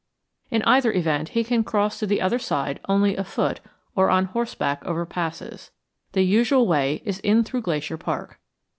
In either event he can cross to the other side only afoot or on horseback over passes. The usual way in is through Glacier Park.